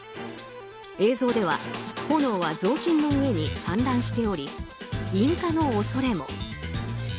映像では炎は雑巾の上に散乱しており引火の恐れも。